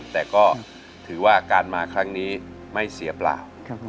แต่ก็ถือว่าการมาครั้งนี้ไม่เสียเปล่า